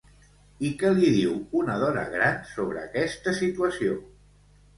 I què li diu una dona gran sobre aquesta situació?